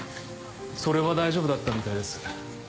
それは大丈夫だったみたいです。